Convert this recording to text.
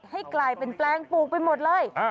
ให้กลายเป็นแปลงปลูกไปหมดเลย